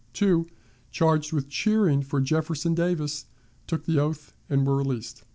Two, charged with cheering for Jefferson Davis, took the oath and were released.